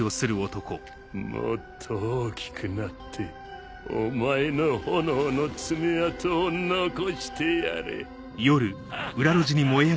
もっと大きくなってお前の炎の爪痕を残してやれ。